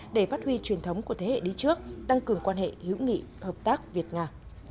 để phát huy truyền thống của thế hệ đi trước tăng cường quan hệ hữu nghị hợp tác việt nga